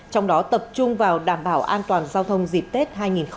trong đó tập trung vào đảm bảo an toàn giao thông dịp tết hai nghìn hai mươi